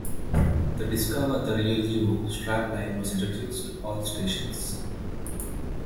The "Discover the Real You" strapline was introduced to all stations.